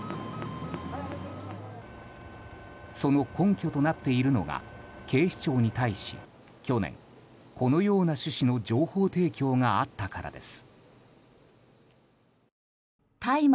その根拠となっているのが警視庁に対し、去年このような趣旨の情報提供があったからです。